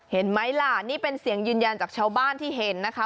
เห็นไหมล่ะนี่เป็นเสียงยืนยันจากชาวบ้านที่เห็นนะคะ